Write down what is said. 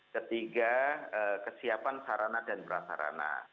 ketiga kesiapan sarana dan prasarana